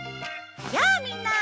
やあみんな！